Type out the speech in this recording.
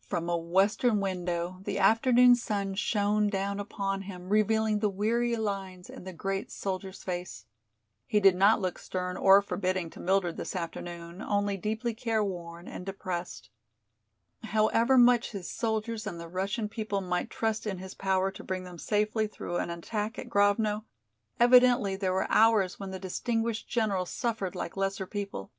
From a western window the afternoon sun shone down upon him, revealing the weary lines in the great soldier's face. He did not look stern or forbidding to Mildred this afternoon, only deeply careworn and depressed. However much his soldiers and the Russian people might trust in his power to bring them safely through an attack at Grovno, evidently there were hours when the distinguished general suffered like lesser people.